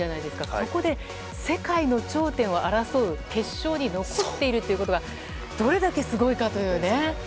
そこで世界の頂点を争う決勝に残っているということがどれだけすごいかという。